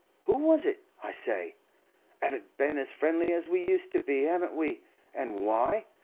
Who was it, I say? Haven't been as friendly as we used to be, haven't we? An' why?